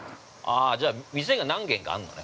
◆じゃあ、店が何軒かあるのね。